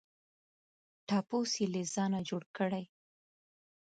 ټپوس یې له ځانه جوړ کړی.